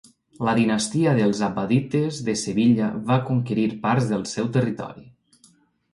La dinastia dels abbadites de Sevilla va conquerir parts del seu territori.